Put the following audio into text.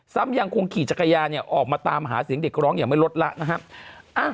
ยังคงขี่จักรยานเนี่ยออกมาตามหาเสียงเด็กร้องอย่างไม่ลดละนะครับ